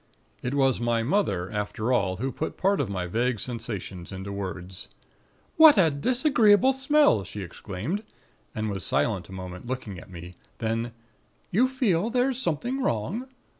"It was my mother, after all, who put part of my vague sensations into words: "'What a disagreeable smell!' she exclaimed, and was silent a moment, looking at me. Then: 'You feel there's something wrong?'